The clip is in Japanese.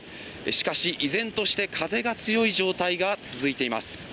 しかし、依然として風が強い状態が続いています。